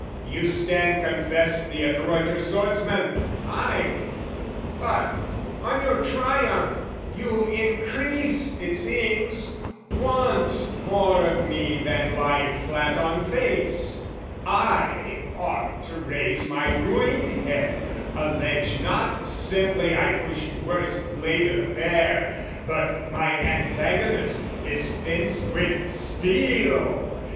You stand confessed the adroiter swordsman, ay, But on your triumph you increase, it seems, Want more of me than lying flat on face: I ought to raise my ruined head, allege Not simply I pushed worse blade o' the pair, But my antagonist dispensed with steel!